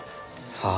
さあ。